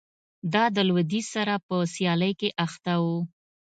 دا له لوېدیځ سره په سیالۍ کې اخته و